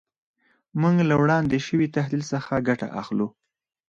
موږ له وړاندې شوي تحلیل څخه ګټه اخلو.